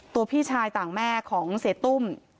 ตัวพี่ชายต่างแม่ของเศรษฐ์ตุ้ม